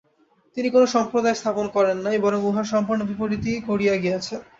তিনি কোন সম্প্রদায় স্থাপন করেন নাই, বরং উহার সম্পূর্ণ বিপরীতই করিয়া গিয়াছেন।